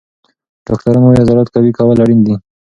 ډاکټران وایي عضلات قوي کول اړین دي.